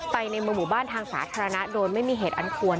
ในเมืองหมู่บ้านทางสาธารณะโดยไม่มีเหตุอันควร